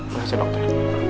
terima kasih dokter